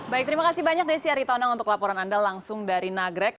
baik terima kasih banyak desy aritonong untuk laporan anda langsung dari nagreg